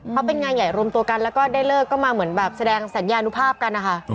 เขาเป็นงานใหญ่รวมตัวกันแล้วก็ได้เลิกก็มาเหมือนแบบแสดงสัญญานุภาพกันนะคะ